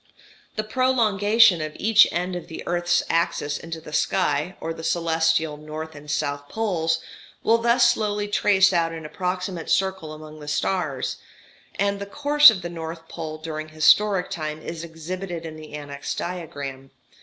The prolongation of each end of the earth's axis into the sky, or the celestial north and south poles, will thus slowly trace out an approximate circle among the stars; and the course of the north pole during historic time is exhibited in the annexed diagram.